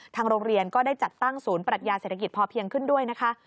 ทางโรงเรียนก็ได้จัดตั้งศูนย์ประดัติยาศัตริกิจพอเพียงขึ้นด้วยนะคะ